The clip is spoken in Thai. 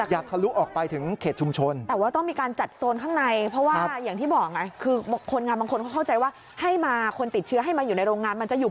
อย่าทะลุออกไปถึงเขตชุมชน